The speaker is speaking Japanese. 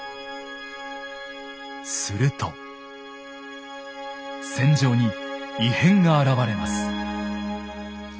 すると戦場に異変が現れます。